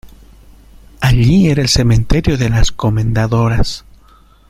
allí era el cementerio de las Comendadoras.